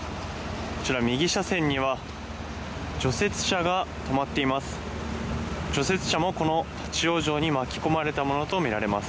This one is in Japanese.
右車線には除雪車が止まっています。